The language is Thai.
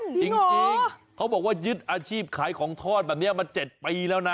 จริงเขาบอกว่ายึดอาชีพขายของทอดแบบนี้มา๗ปีแล้วนะ